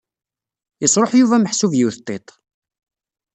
Yesṛuḥ Yuba meḥsub yiwet n tiṭ.